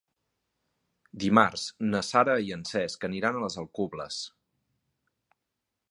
Dimarts na Sara i en Cesc aniran a les Alcubles.